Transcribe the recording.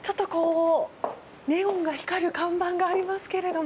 ネオンが光る看板がありますが。